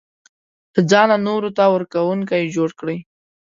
له ځانه نورو ته ورکوونکی جوړ کړي.